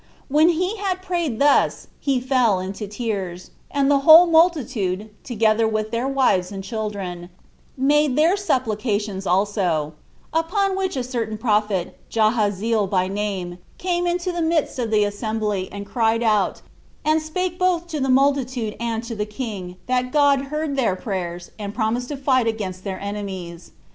When he had prayed thus, he fell into tears; and the whole multitude, together with their wives and children, made their supplications also: upon which a certain prophet, Jahaziel by name, came into the midst of the assembly, and cried out, and spake both to the multitude and to the king, that God heard their prayers, and promised to fight against their enemies.